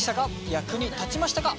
役に立ちましたか？